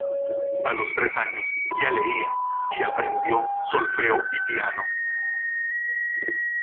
A los tres años ya leía y aprendió solfeo y piano.